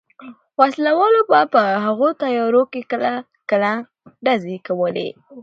وسله والو به په هغو تیارو کې کله کله ډزې کولې.